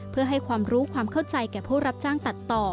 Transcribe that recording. เพื่อให้ความรู้ความเข้าใจแก่ผู้รับจ้างตัดต่อ